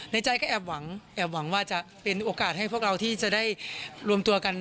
ในใจก็แอบหวังแอบหวังว่าจะเป็นโอกาสให้พวกเราที่จะได้รวมตัวกัน